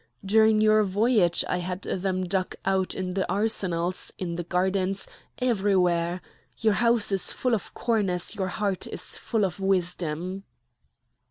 During your voyage I had them dug out in the arsenals, in the gardens, everywhere! your house is full of corn as your heart is full of wisdom."